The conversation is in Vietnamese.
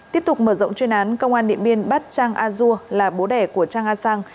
tiếp tục mở rộng chuyên án công an điện biên bắt trang a dua là bố đẻ của trang a sang